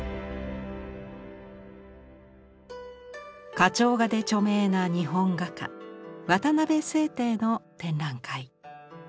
花鳥画で著名な日本画家渡辺省亭の展覧会。